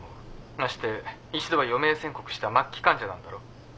まして一度は余命宣告した末期患者なんだろ？